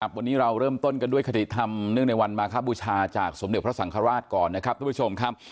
วันนี้เราเริ่มต้นกันด้วยคดีธรรมเนื่องในวันมาคบูชาจากสมเด็จพระสังฆราชก่อนนะครับทุกผู้ชมครับ